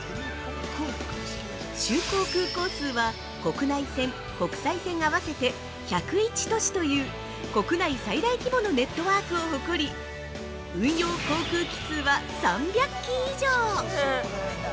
就航空港数は、国内線、国際線合わせて１０１都市という国内最大規模のネットワークを誇り、運用航空機数は３００機以上！